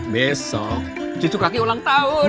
besok cucu kaki ulang tahun